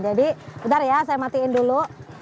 jadi bentar ya saya matikan dulu